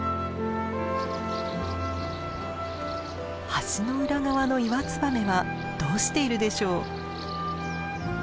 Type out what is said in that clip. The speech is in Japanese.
橋の裏側のイワツバメはどうしているでしょう？